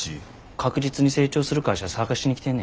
確実に成長する会社探しに来てんねん。